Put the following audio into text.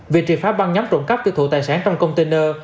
việc triệt phá băng nhóm trộm cắp tiêu thụ tài sản trong container